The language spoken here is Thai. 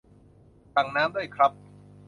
สั่งน้ำด้วยครับ